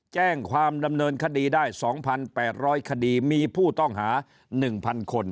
แจ้งความดำเนินคดีได้สองพันแปดร้อยคดีมีผู้ต้องหาหนึ่งพันคน